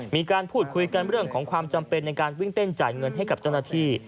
มีการพูดคุยกันเรื่องของความจำเป็นในการวิ่งเต้นจ่ายเงินให้กับเจ้าหน้าที่